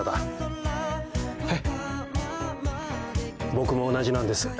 僕も同じなんです。